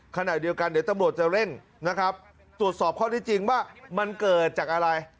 ขณะเดียวกันเดี๋ยวตำรวจจะเร่งนะครับตรวจสอบข้อที่จริงว่ามันเกิดจากอะไร